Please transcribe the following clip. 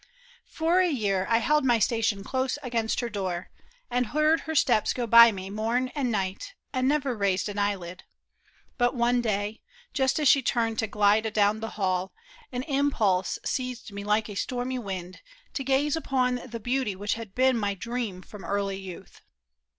For a year I held my station close against her door. And heard her steps go by me morn and night, And never raised an eyelid. But one day, Just as she turned to glide adown the hall. An impulse seized me like a stormy wind To gaze upon the beauty which had been My dream from early youth.